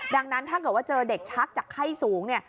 ดังนั้นถ้าเกิดว่าเจอเด็กชักจากไข้สูงเนี่ย